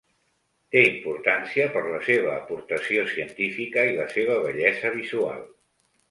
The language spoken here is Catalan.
Té importància per la seva aportació científica i la seva bellesa visual.